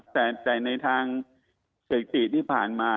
แต่ในทางเคศจีย์ที่ผ่านมา